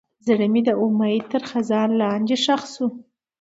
زړه مې د امید تر خزان لاندې ښخ شو.